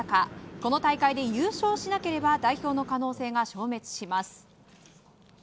この大会で優勝しなければ代表の可能性が消滅します。